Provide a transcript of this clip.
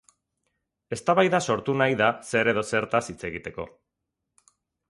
Eztabaida sortu nahi da zer edo zertaz hitz egiteko.